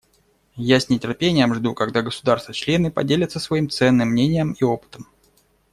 Я с нетерпением жду, когда государства-члены поделятся своим ценным мнением и опытом.